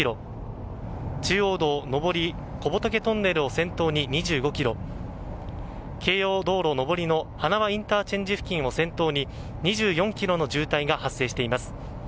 中央道上りの小仏トンネルを先頭に２５ｋｍ京葉道上りの花輪ＩＣ付近を先頭に２４ｋｍの渋滞が発生しています。